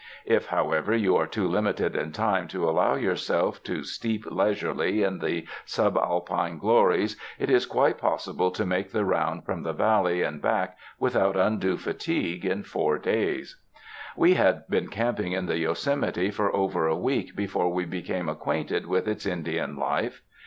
If, how ever, you are too limited in time to allow yourself to steep leisurely in the subalpino glories, it is quite possible to make the round from the Valley and back without undue fatigue, in four days. We had been camping in the Yosemite for over a week before we became acquainted with its Indian life.